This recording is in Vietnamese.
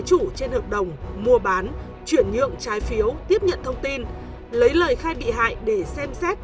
chủ trên hợp đồng mua bán chuyển nhượng trái phiếu tiếp nhận thông tin lấy lời khai bị hại để xem xét